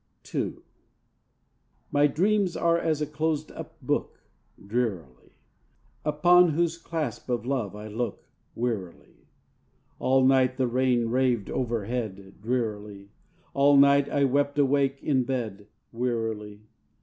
II. My dreams are as a closed up book, (Drearily.) Upon whose clasp of love I look, Wearily. All night the rain raved overhead, Drearily; All night I wept awake in bed, Wearily.